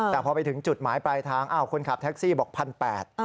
แต่พอไปถึงจุดหมายปลายทางอ้าวคนขับแท็กซี่บอก๑๘๐๐บาท